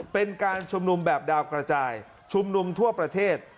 เป็นการชุมนุมแบบดาวกระจายชุมนุมทั่วประเทศ